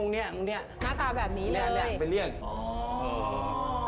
หน้าตาแบบนี้เลยนี่ไปเรียก